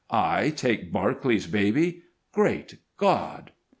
"I take Barclay's baby? Great God!"